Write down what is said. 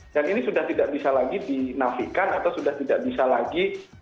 ini sudah tidak bisa lagi dinafikan atau sudah tidak bisa lagi